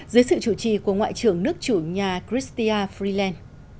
dưới sự chủ trì của ngoại trưởng nước chủ nhà christian